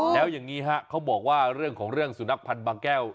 แล้วอย่างนี้ฮะเขาบอกว่าเรื่องของเรื่องสุนัขพันธ์บางแก้ว